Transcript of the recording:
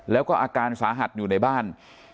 แล้วก็อาการสาหัสอยู่ในบ้าน